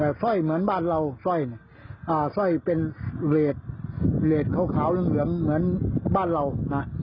แต่สร้อยเหมือนบ้านเราสร้อยเป็นเหลดเหลดขาวเหลืองเหมือนบ้านเรานะ